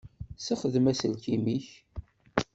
Ssexdem aselkim-ik.